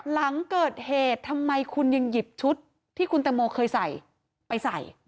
หลังเกิดเหตุทำไมคุณยังหยิบชุดที่คุณแตงโมเคยใส่ไปใส่